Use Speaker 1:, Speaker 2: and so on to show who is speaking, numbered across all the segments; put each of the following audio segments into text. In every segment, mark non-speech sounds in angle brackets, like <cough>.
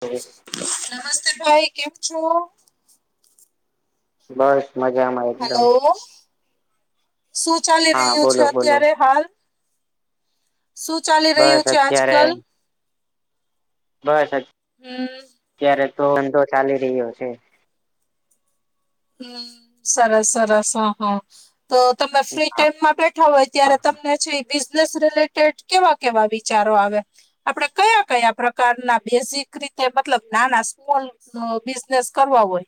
Speaker 1: હ.
Speaker 2: નમસ્તે, ભાઈ! કેમ છો?
Speaker 1: બસ, મજામાં. એકદમ!
Speaker 2: હલો શું ચાલી
Speaker 1: હા
Speaker 2: રહ્યું છે
Speaker 1: બોલો બોલો
Speaker 2: અત્યારે, હાલ? શું ચાલી
Speaker 1: બસ
Speaker 2: રહ્યું છે
Speaker 1: અત્યારે
Speaker 2: આજકલ?
Speaker 1: બસ, અત્યારે તો ધધો ચાલી રહ્યો છે.
Speaker 2: હમ, સરસ, સરસ. હા, હા. તો તમે ફ્રી ટાઈમમાં બેઠો? બેઠા હોય ત્યારે તમને છે બિઝનેસ રિલેટેડ કેવ- કેવા વિચારો આવે? આપડે કયા-કયા પ્રકારના, બેઝિક, રીતે મતલબ નાના સ્કૂલ અ બિઝનેસ કરવા હોય,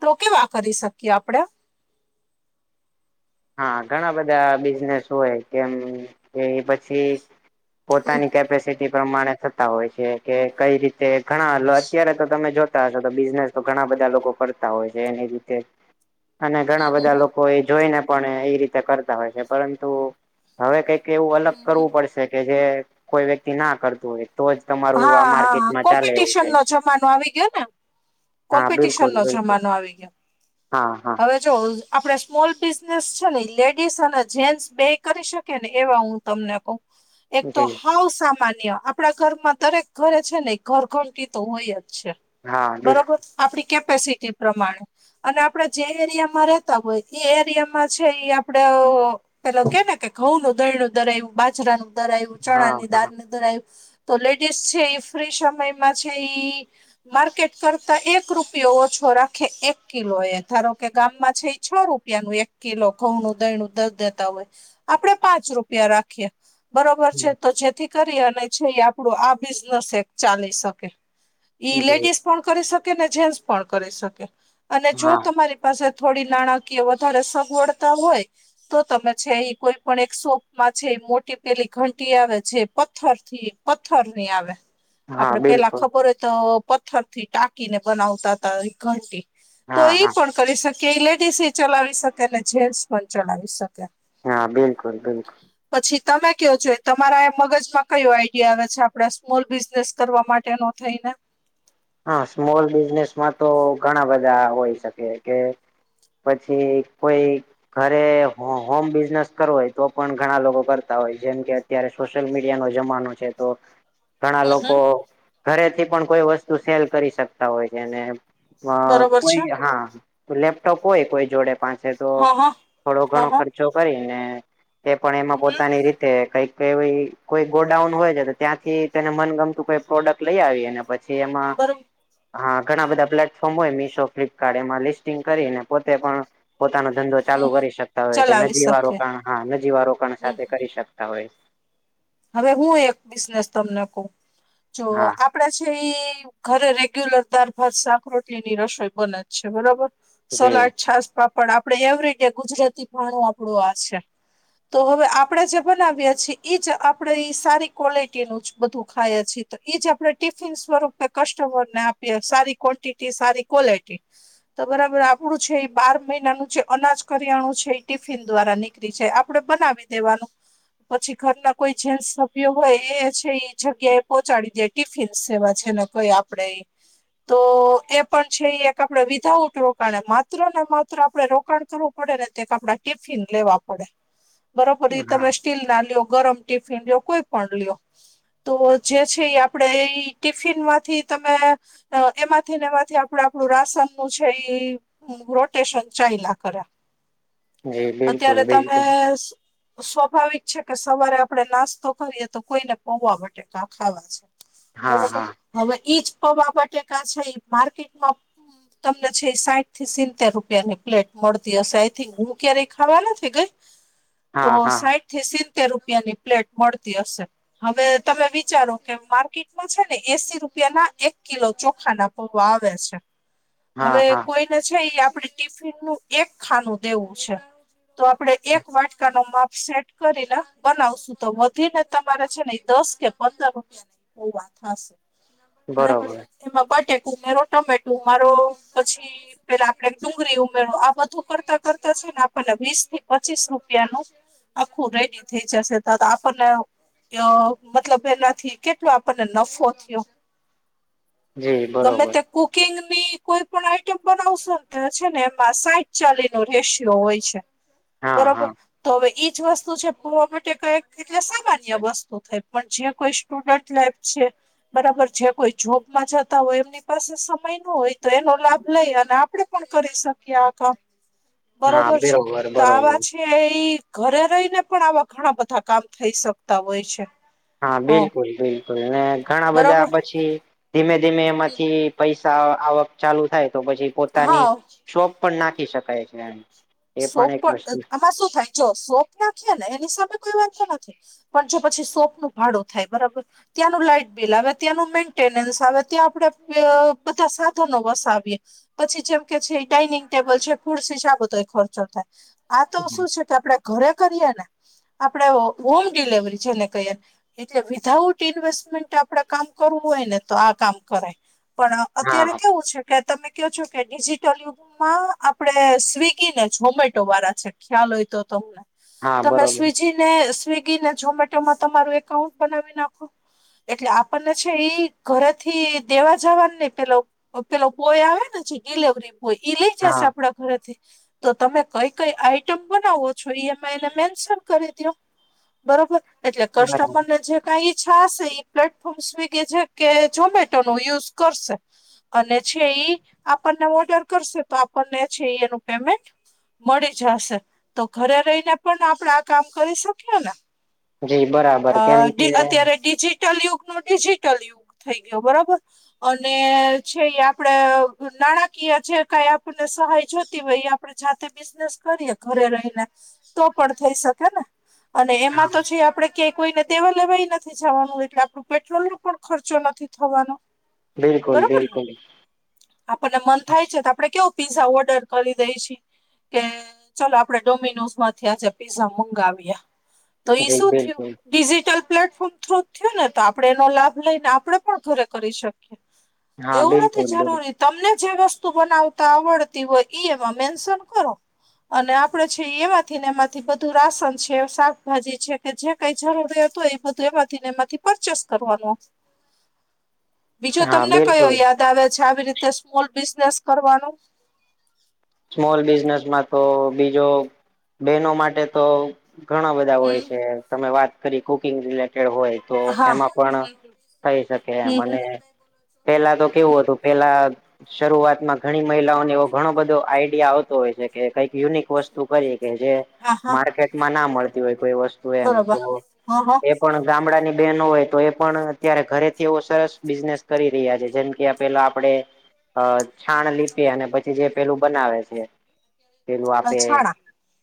Speaker 2: તો કેવા કરી શકીએ આપડે?
Speaker 1: હા, ઘણા બધા બિઝનેસ હોય. કેમ? એ પછી
Speaker 2: હમ,
Speaker 1: પોતાની કેપેસિટી પ્રમાણે થતા હોય છે કે કંઈ રીતે? તે ઘણા અત્યારે તો તમે જો બિઝનેસ ઘણા બધા લોકો કરતા હોય છે, એની રીતે. અને ઘણા
Speaker 2: હમ, હમ,
Speaker 1: બધા
Speaker 2: હમ,
Speaker 1: લોકો લોકો એ જોઈને પણ એ રીતે કરતા હોય છે, પરંતુ હવે કંઈક એવું અલગ
Speaker 2: હમ, હમ.
Speaker 1: કરવું પડશે, કે જે કોઈ વ્યક્તિ ના કરતું હોય, તો જ તમારું
Speaker 2: હા
Speaker 1: આ
Speaker 2: હા,
Speaker 1: માર્કેટમાં ચાલે એવું
Speaker 2: કોમ્પિટિશન
Speaker 1: છે
Speaker 2: નો જમાનો આવી ગયો ને.
Speaker 1: હા
Speaker 2: કોમ્પિટિશન
Speaker 1: બિલકુલ
Speaker 2: નો
Speaker 1: બિલકુલ
Speaker 2: જમાનો આવી ગયો,
Speaker 1: હા હા
Speaker 2: હવે. જો આપડે સ્મોલ બિઝનેસ છે ને, લેડીસ અને જેન્ટસ બે કરી શકીએ ને, એવા હું તમને કહું. એક તો
Speaker 1: જી
Speaker 2: હાવ સામાન્ય આપણા ઘરમાં દરેક ઘરે છે ને, ઘરઘટી તો હોય જ છે,
Speaker 1: હા બિલકુલ
Speaker 2: બરોબર. આપણી કેપેસિટી પ્રમાણે. અને આપડે જે એરિયામાં રેતા હોય એ એરિયામાં છે, ઈ આપડે પેલો કે ને, કે ઘઉંનું દરણું દરાવ્યું, બાજરાનું. દરાયું,
Speaker 1: હા
Speaker 2: ચણાની
Speaker 1: હા
Speaker 2: દાળનું દરાયું, તો લેડીસ છે ઈ ફ્રી સમયમાં છે ઈ. માર્કેટ કરતા એક રૂપિયો ઓછો રાખે, એક કિલો. એ ધારો કે ગામમાં છે છ રૂપ રૂપિયાનું એક કિલો ઘઉંનું દરનું દર દેતા હોય, આપડે પાંચ રૂપિયા રાખીએ. બરોબર છે, તો જેથી કરી અને છે ઈ આપડું આ બિઝનેસ એક ચાલી શકે. ઈ
Speaker 1: જી
Speaker 2: લેડીઝ પણ કરી શકે ને, જેન્ટસ પણ કરી શકે. અને જો
Speaker 1: હા
Speaker 2: તમારી પાસે થોડી નાણાકીય વધારે સગવડતા હોય. તો તમે છે ઈ કોઈ પણ એક શોપમાં છે, મોટી પેલી ઘંટી આવે જે પથ્થરથી. પથ્થરની આવે,
Speaker 1: હા
Speaker 2: આપડે પેલા
Speaker 1: બિલકુલ
Speaker 2: ખબર હોય તો. પથ્થરથી ટાંકીને બનાવતા, ઈ ઘંટી તો
Speaker 1: હા
Speaker 2: ઈ
Speaker 1: હા
Speaker 2: પણ. કરી શકે, ઈ લેડીસ એ ચલાવી શકે ને, જેન્ટસ પણ ચલાવી શકે.
Speaker 1: હા, બિલકુલ બિલકુલ.
Speaker 2: પછી તમે કયો, જો તમારા મગજમાં કયો હોય. ઇ આવે છે, આપડા સ્મોલ બિઝનેસ કરવા માટેનો થઈને
Speaker 1: હા, સ્મોલ બિઝનેસમાં તો ઘણા બધા હોય શકે કે પછી કોઈ ઘરે હો હોમ બિઝનેસ કરવો હોય તો પણ, ઘણા લોકો કરતા હોય, જેમ કે અત્યારે સોશિયલ મીડિયાનો જમાનો છે તો
Speaker 2: <unintelligible>
Speaker 1: ઘણા
Speaker 2: હમ
Speaker 1: લોકો ઘરેથી પણ કોઈ વસ્તુ સેલ કરી શકતા હોય છે ને અ
Speaker 2: બરોબર છે.
Speaker 1: કોઈ હા લેપટોપ હોય કોઈ જોડે પાંચ એ તો
Speaker 2: હા હા
Speaker 1: થોડો
Speaker 2: હા
Speaker 1: ઘણો
Speaker 2: હા
Speaker 1: ખર્ચો કરીને, એ પણ એમાં પોતાની રીતે કંઈક કે નહીં કોઈ ગોડાઉન હોય છે, તો ત્યાંથી તને મનગમતું કોઈ પ્રોડક્ટ લઈ આવીએ ને પછી થી એમાં.
Speaker 2: બરોબર
Speaker 1: હા, ઘણા બધા પ્લેટફોર્મ હોય, મિશો, ફ્લિપકાર્ટ એમાં લિસ્ટિંગ કરીને પોતે પણ પોતાનો ધંધો ચાલુ
Speaker 2: હમ
Speaker 1: કરી શકતા હોય છે.
Speaker 2: ચલાવી શકે
Speaker 1: નજીવારોકાણ હા નજીવારોકાણ સાથે કરી શકતા હોય છે.
Speaker 2: હવે હું એક બિઝનેસ તમને કઉં જો
Speaker 1: હા
Speaker 2: આપ આપડે છે ઈ ઘરે રેગ્યુલર દાર, ભાત, શાક, રોટલીની રસોઈ બને જ છે બરોબર.
Speaker 1: જી
Speaker 2: સલાડ, છાસ, પાપડ આપડે એવરી ડે ગુજરાતી ભાણું આપણું આ છે. તો હવે આપણેે જે બનાવીએ છીએ ઈ જ આપ ણે ઈ સારી ક્વોલિટીનું જ બધું ખાઈએ છીએ તો ઈ જ આપણે ટિફિન સ્વરૂપે કસ્ટમરને આપ <unintelligible> સારી કોન્ટીટી સારી કોલેટી તો બરાબર આપડું છે ઈ બાર મહિનાનું જે અનાજ કરિયાણું છે એ ટિફિન દ્વારા ની કરી જાય આપડે બનાવી દેવાનું પછી ઘરના કોઈ જેન્સ સભ્ય હોય એ છે એ જગ્યા એ પહોચાડી દે ટિફિન સેવા છે ને કોઈ આપણેે ઈ તો એ પણ છે ઈ એક આપડે વિધાઉટ રોકાણ માત્ર ને માત્ર આપડે રોકાણ કરવું. પડે ને તે એક આપડા ટિફિન લેવા પડે. બરોબર ઈ
Speaker 1: હા
Speaker 2: તમે સ્ટીલના લ્યો ગરમ ટિફિન લ્યો કોઈ પણ લિ્યો. તો જે છે એ આપણેે ટિફિન માંથી તમે અ એમાંથી ને એમાંથી ને આપણે આપડું રાશનનું છે ઈ રોટેશન ચાઈલા કરે
Speaker 1: જી બિલકુલ
Speaker 2: અત્યારે તમે
Speaker 1: બિલકુલ
Speaker 2: સ્વાભાવિક છે કે સવારે આપડે નાસ્તો કરીએ તો કોઈને પવા બટેકા ખાવા છે.
Speaker 1: હા
Speaker 2: બરોબર
Speaker 1: હા
Speaker 2: હવે ઈ જ પવા બટેકા છે ઈ માર્કેટમાં તમને છે ઈ સાઈઠથી સીનતેર રૂપિયાની પ્લેટ મળતી હશે આઈ થિંક હું ક્યારેય ખાવા નથી ગઈ. તો
Speaker 1: હા હા
Speaker 2: સાઈઠથી સીતેર રૂપિયાની પ્લેટ મળતી હશે. હવે તમે વિચારો કે માર્કેટમાં છે ને એસી રૂપિયાના એક કિલો ચોખાના પવા આવે છે
Speaker 1: હા
Speaker 2: હવે
Speaker 1: હા
Speaker 2: કોઈ કે છે ઈ આપડે ટિફિનનું એક ખાનું દેવું છે. તો આપણેે એક વાટકાનો માપ સેટ કરીને બનાવશું. તો વધી ને તમારે છે ને ઈ દસ કે પંદર રૂપિયાની પવા થાશે. બરાબર
Speaker 1: બરોબર
Speaker 2: એમાં બટેકુ મેરો ટમેટો મારો પછી પેલા આપડણે ડુંગળી ઉમેરવો આ બધું કરતા કરતા છે ને આપણને વીસ થી પચીસ રૂપિયાનું આખું રેડી થઈ જશે ત આપણને અ મતલબ એનાથી કેટલો આપણને નફો થીયો.
Speaker 1: જી
Speaker 2: ગમે
Speaker 1: બરોબર
Speaker 2: તે કુકિંગ ની કોઈ પણ આઈટમ બનાવશો તો છે ને એમાં સાઈટ ચાલી ન હોય છે
Speaker 1: હા
Speaker 2: બરોબર
Speaker 1: હા
Speaker 2: તો હવે જ વસ્તુ છેવા કઈ એટલે સામાન્ય વસ્તુ થાય પણ જે કોઈ સ્ટુડન્ટ લાઈફ છે. બરાબર છે કોઈ જોબમાં જતા હોય એમ એ પાસે સમય ન હોય તો એનો લાભ લઈ અને આપડે પણ કરી શકીએ આ કામ.
Speaker 1: હા
Speaker 2: બરોબર છે તો આ
Speaker 1: બરોબર
Speaker 2: વા છે. કે એ ઘરે રહીને પણ આવા ઘણા બધા કામ થઈ શકતા હોય છે.
Speaker 1: હા
Speaker 2: હ
Speaker 1: બિલકુલ બિલકુલ અને ઘણા
Speaker 2: બરાબર
Speaker 1: બધા પછી ધીમે ધીમે
Speaker 2: હમ,
Speaker 1: એમાંથી પૈસા આવક ચાલુ થાય તો પછી પોતાની
Speaker 2: હા
Speaker 1: શોપ પણ નાખી શકાય છે એમ. એ પણ
Speaker 2: શોપ
Speaker 1: એક વસ્તુ
Speaker 2: આમાં શું થાય જો શોપ નાખીએ ને એની સામે કોઈ વાંધો નથી. પણ જો પછી સોપ ન ભાડું થાય બરાબર ત્યાંનું લાઈટ બિલ આવે ત્યાંનું મેન્ટેનન્સ આવે ત્યાં આપડે બધા સાધનો વસાવીએ. પછી જેમ કે છે ડઇનિંગ ટેબલ છે ફૂડ છે જ આ બધો ખર્ચો થાય આ તો શું છે આપણેે ઘરે કરીએ ને આપણેે હોમ ડિલવરી છે ને કહીએને એટલે વિધાઉટ ઇન્વેસ્ટમેન્ટ આપડે કામ કરવું હોય ને તો આ કામ કરાય પણ અત્યારે
Speaker 1: હા
Speaker 2: કેવું છે, કે તમે કહો છો કે ડિજીિટલ યુગમાં આપણે સ્વીગીને ઝોમેરો છે ખ્યાલ હોય તો તમને
Speaker 1: હા
Speaker 2: તમે
Speaker 1: બરોબર
Speaker 2: સ્વીજી ને સ્વિગી ને ઝોમેટો માં તમારું એકાઉન્ટ બનાવી નાખો એટલે આપણને છે ઈ ઘરેથી દેવા જવા ને પેલા પેલો બય આવે ને જે ડિલેવરી બોય એ લઈ જશે
Speaker 1: હા
Speaker 2: આપડા ઘરેથી તો તમે કઈ કઈ આઈટમ બનાવો છો એ મેં એને મેન્શન કરી દયો બરોબર એટલે
Speaker 1: બરાબર
Speaker 2: કસ્ટમરને જે કાઈ છશે પ્લેટફોર્મ સ્વીગી કે છે, કે ઝોમેટો નું યુઝ કરશે અને છે, ઈ આપણને ઓર્ડર કરશે તો આપણને છે, એ એનું પેમેન્ટ મળી જ હશે તો ઘરે રહીને પણ આપણે આ કામ કરી શકીએ ને
Speaker 1: જી બરાબર
Speaker 2: અ
Speaker 1: કેમ કે
Speaker 2: ડી અત્યારે ડિજિટલ યુગનો ડિજિટલ યુગ થઈ ગયો બરાબર અને છે, એ આપડે નાણાકીય છે, જે કાય આપને સહાય જોતી હોય આ પણે જાતે બિઝનેસ કરીએ ઘરે રહીને તો પણ થઈ શકે ને અને એમાં તો છે, આપડે કે કોઈને દેવા લેવાય નથી જવાનું એટલે આપડું પેટ્રોલ નો પણ ખર્ચો નથી થવાનો
Speaker 1: બિલકુલ
Speaker 2: બરોબર ને
Speaker 1: બિલકુલ.
Speaker 2: આપણને મન થાય છે, તો આપડે કેવું પીઝા ઓર્ડર કરી દેય છી કે ચલો આપડે ડોમિનોઝ માંથી આજે પીઝા મંગાવીયા તો એ
Speaker 1: જી
Speaker 2: શું થયું
Speaker 1: બિલકુલ
Speaker 2: ડિજિટલ પ્લેટફોર્મ થ્રુ થયું ને તો આપણે એનો લાભ લઈને આપણે પણ ઘરે કરી શકીએ
Speaker 1: હા
Speaker 2: એવું નથી
Speaker 1: બિલકુલ બિલકુલ
Speaker 2: જરૂરી તમને જે વસ્તુ બનાવતા આવડતી હોય ઈ એમાં મેન્શન કરો અને આપડે છે, એમાંથી ને એમાંથી બધું રાસન છે, શાકભાજી છે, કે જે કય જરૂરી હતુ એ બધું એમાંથીને એમાંથી પરચેસ કરવાનો બીજું
Speaker 1: હા
Speaker 2: તમને કયો
Speaker 1: બિલકુલ
Speaker 2: યાદ આવે છે, આવી રીતે સ્મોલ બિઝનેસ કરવાનો
Speaker 1: સ્મોલ બિઝનેસમાં તો બીજો બહેનો માટે તો ઘણા બધા હોય
Speaker 2: હમ
Speaker 1: છે, તમે વાત કરી કુકિંગ રિલેટેડ હોય તો
Speaker 2: હા
Speaker 1: એમાં પણ થઈ શકે એમ
Speaker 2: હમ હમ
Speaker 1: અને પેલા તો કેવું હતું પેલા શરૂઆતમાં ઘણી મહિલાઓને એવો ઘણો બધો આઈડિયા આવતો હોય છે, કે કઈક યુનિક વસ્તુ કરીએ કે જે
Speaker 2: હા હા
Speaker 1: માર્કેટમાં ના મળતી હોય કોઈ વસ્તુ એમ
Speaker 2: બરોબર
Speaker 1: તો
Speaker 2: હા હા
Speaker 1: એ પણ ગામડાની બહેનો હોય તો એ પણ અત્યારે ઘરેથી એવો સરસ બિઝનેસ કરી રહ્યા છે, જેમ કે પેલા આપડે
Speaker 2: હ
Speaker 1: અ છાણ લીપે અને પછી જે પેલું બનાવે છે, પેલું
Speaker 2: અ,
Speaker 1: આપે
Speaker 2: છાણા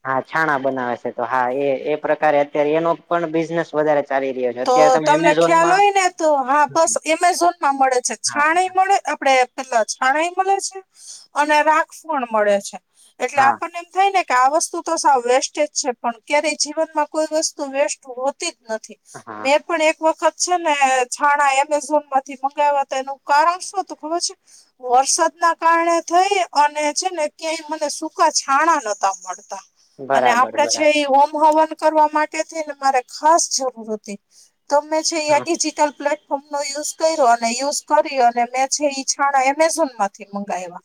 Speaker 1: હા છાણા બનાવે છે, તો હા એ એ પ્રકારે અત્યારે એનો પણ બિઝનેસ વધારે ચાલી રહ્યો છે
Speaker 2: તો
Speaker 1: અત્યારે તમે
Speaker 2: તમને ખ્યાલ
Speaker 1: એમેઝોનમાં
Speaker 2: હોય ને તો હા બસ એમેઝોનમાં મળે છે,
Speaker 1: હા
Speaker 2: છાણી મળે આપણે એટલે છણાય મળે છે, અને રાખ પણ મળે છે, એટલે
Speaker 1: હા
Speaker 2: આપણને એમ થાય ને કે આ વસ્તુ તો સાવ વેસ્ટે જ છે, પણ ક્યારેય જીવનમાં કોઈ વસ્તુ વેસ્ટ હોતી જ નથી
Speaker 1: હા.
Speaker 2: મેં પણ એક વખત છે, ને છાણા એમેઝોન માંથી મંગાવ્યા હતા એનું કારણ શું હતું ખબર છે. વરસાદના કારણે થઈ અને છે, ને ક્યાંય મને સૂકા છાણા નતા મળતા અને
Speaker 1: બરાબર
Speaker 2: આપડે છે,
Speaker 1: બરાબર
Speaker 2: એ ઓમ હવન કરવા માટે ને મારે ખાસ જરૂર હતી તમને છે, એ
Speaker 1: હા
Speaker 2: ડિજિટલ પ્લેટ ફોમનો યુઝ કર્યો અને યુઝ કરી અને મેં છે, ઈ છાણા એમેઝોનમાંથી મંગાયવા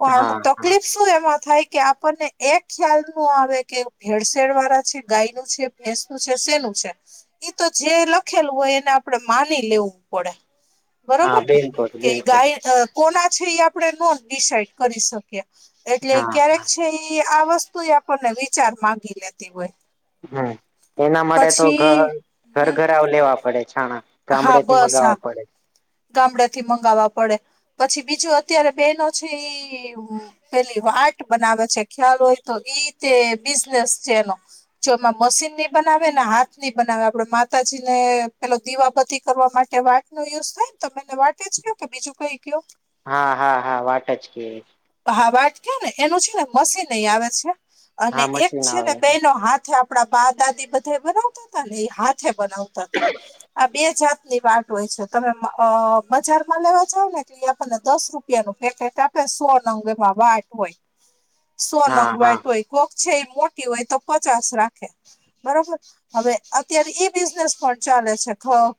Speaker 2: પણ
Speaker 1: હા હા
Speaker 2: તકલીફ શું એમાં થાય કે આપણને એ ખ્યાલનુ આવે કે ભેળસેડ વાળા છે, ગાય નું છે. ભેસનુ છે શેનું છે. ઈ તો જે લખેલું હોય એને આપડે માની લેવું પડે
Speaker 1: હા
Speaker 2: બરોબર ને
Speaker 1: બિલકુલ
Speaker 2: કે
Speaker 1: બિલકુલ
Speaker 2: ગાય અ કોના છે, એ આપણે નો ડિસાઈડ કરી શકીએ એટલે
Speaker 1: હા
Speaker 2: ક્યારેક છે, એ આ વસ તો આપણને વિચાર મામાંગી લેતી હોય.
Speaker 1: હમ એના માટે તો ઘ
Speaker 2: પછી
Speaker 1: ઘર
Speaker 2: હમ
Speaker 1: ઘર આવ લેવા પડે છાણા.
Speaker 2: હા
Speaker 1: ગામડેથી
Speaker 2: બસ હા
Speaker 1: મગાવવા પડે
Speaker 2: ગામડેથી મંગાવવા પડે પછી બીજું અત્યારે બેનો છે, એવુ પેલી વાર્ટ બનાવે છે, ખ્યાલ હોય તો ઈ તે બિઝનેસ છે, એનો જો એમાં મશીનની બનાવે ને હાથ ની બનાવે આપડે માતાજીને પેલો દીવા બતી કરવા માટે વા નો યુઝ થાય ને તમને વા જ કયો કે બીજું કંઈ કયયો.
Speaker 1: હા હા હા વાટ જ કે.
Speaker 2: બા વાટ કે ને એનું છે ને મશનહી આવે છે અને
Speaker 1: હા
Speaker 2: એક
Speaker 1: મશીન
Speaker 2: છે, ને
Speaker 1: આવે
Speaker 2: બે ન હાથે આપ આપડા બા દાદી બધા બનાવતા હતાા ને એ હાથે બનાવતા હતા. આ બે જાતની વાટ હોય છે તમે બજારમાં લેવા જાવ ને એટલે આપણને દસ રૂપ ન ફેફેટ આપે સો નંગ બા આટવાય, સો
Speaker 1: હા હા
Speaker 2: નંગટ હોય. કોક છે એ મોટી હોય તો પચાસ રાખે બરોબર. હવે અત્યારે ઈ બિઝનેસ પણ ચાલે છે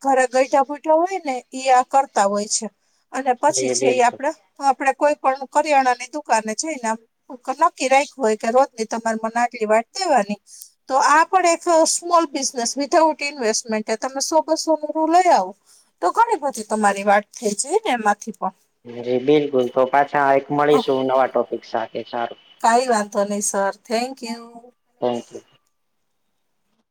Speaker 2: ઘરે ગઈઠા બુઠા હોય ને. યા કરતા હોય છે, અને પછી
Speaker 1: જી
Speaker 2: છે એ
Speaker 1: બિલકુલ
Speaker 2: આપણેે આપણે કોઈ પણ કરિયાણા ની દુકાન છે ને આમ કર નક્કી રાય હોય કે રોજ નહી તમારે મને આટલી વાટ દેવાની. તો આ પણ એક સ્મોલ બિઝનેસ વિધાઉટ ઇન્વેસ્ટમેન્ટ એ તમે સો બસો ન રૂ લઈ આવ. તો ઘણી બધી તમારી વાત થઈ જઈ ને એમાંથી પણ.
Speaker 1: જી બિલકુલ તો પાછા એક મળીશું નવા ટોપિક સાથે સારું.
Speaker 2: કઈ વાંધતોો નહી સર થેન્ક યુ.
Speaker 1: થેન્કયુ.